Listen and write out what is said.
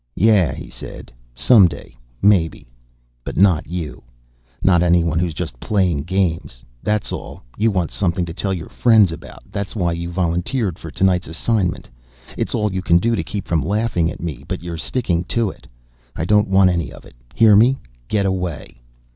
"Yeah," he said. "Someday, maybe. But not you. Not anyone who's just playing games. That's all you want something to tell your friends about, that's why you volunteered for tonight's assignment. It's all you can do to keep from laughing at me, but you're sticking to it. I don't want any of it, hear me? Get away."